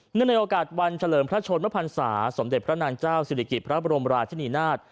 ในโอกาสวันเฉลิมพระชนมพันศาสมเด็จพระนางเจ้าศิริกิจพระบรมราชินีนาฏ